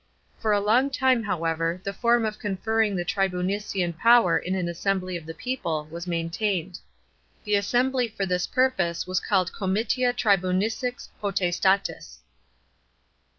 For a long time, however, the form of conferring the tribunician power in an assembly of the people, was maintained. The as sembly for this purpose was called comitia tribunicise potestatis.